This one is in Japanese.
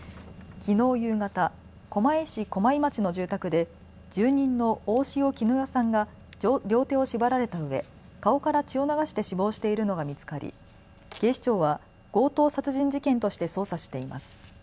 きのう夕方、狛江市駒井町の住宅で住人の大塩衣與さんが両手を縛られたうえ、顔から血を流して死亡しているのが見つかり警視庁は強盗殺人事件として捜査しています。